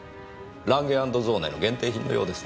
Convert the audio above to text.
ランゲ＆ゾーネの限定品のようですねぇ。